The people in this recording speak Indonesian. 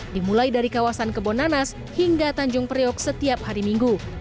dimulai dari kawasan kebonanas hingga tanjung priok setiap hari minggu